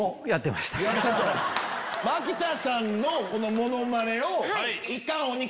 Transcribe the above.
牧田さんのものまねを。